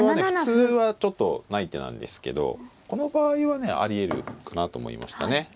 普通はちょっとない手なんですけどこの場合はねありえるかなと思いましたね。